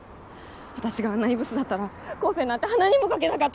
私があんなにブスだったら光晴なんて鼻にもかけなかったくせに！